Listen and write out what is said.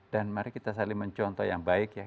dan mari kita saling mencontoh yang baik ya